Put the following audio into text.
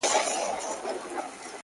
كه راتلل به يې دربار ته فريادونه؛